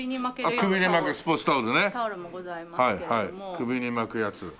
首に巻くやつ。